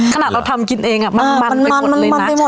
ขนาดเราทำกินเองมันมันไปหมด